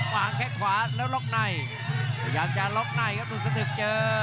วางแข้งขวาแล้วล็อกในพยายามจะล็อกในครับดูสนึกเจอ